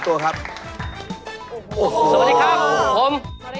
สวัสดีครับผม